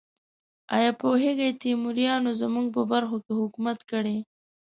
ایا پوهیږئ تیموریانو زموږ په برخو کې حکومت کړی؟